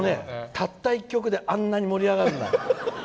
たった１曲であんなに盛り上がるんだって。